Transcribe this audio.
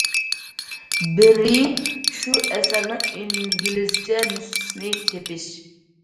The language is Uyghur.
بىرى، شۇ ئەسەرنىڭ ئىنگلىزچە نۇسخىسىنى تېپىش.